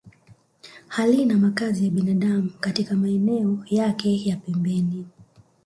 Halina makazi ya binadamu katika maeneo yake ya pembeni